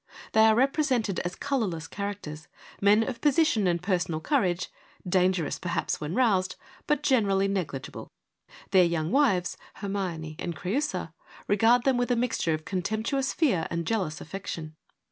They are represented as colourless characters ; men of position and personal courage, dangerous, perhaps, when roused, but generally negligible. Their young wives, Hermione and Creiisa, regard them with a mixture of contemptuous fear and jealous affection.